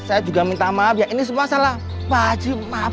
saya juga minta maaf ya ini semua salah wajib maaf